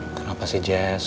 kenapa sih jess